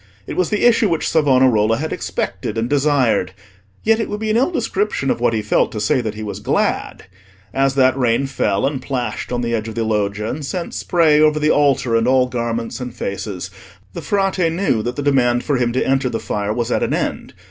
It was the issue which Savonarola had expected and desired; yet it would be an ill description of what he felt to say that he was glad. As that rain fell, and plashed on the edge of the Loggia, and sent spray over the altar and all garments and faces, the Frate knew that the demand for him to enter the fire was at an end.